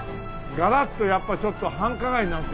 ガラッとやっぱちょっと繁華街になってきたね。